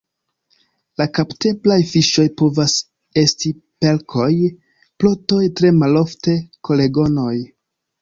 La kapteblaj fiŝoj povas esti perkoj, plotoj, tre malofte koregonoj.